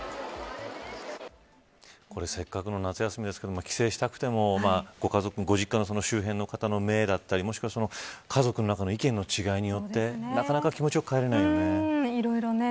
これせっかくの夏休みですけど帰省したくてもご実家の周辺の方の目だったりもしくは家族の中の意見の違いによってなかなか気持ちよく帰れないよね。